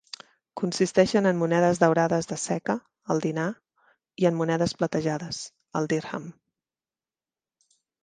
Consisteixen en monedes daurades de seca, el dinar, i en monedes platejades, el dirham.